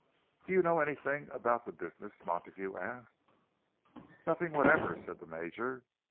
"Do you know anything about the business?" Montague asked. "Nothing whatever," said the Major.